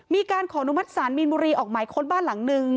มีการขอนุมัติศาลมีนบุรีออกหมายค้นบ้านหลังนึง